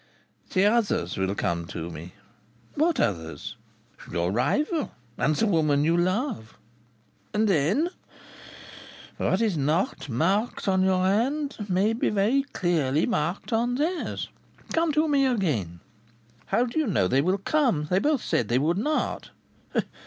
"The others will come to me." "What others?" "Your rival. And the woman you love." "And then?" "What is not marked on your hand may be very clearly marked on theirs. Come to me again." "How do you know they will come? They both said they should not."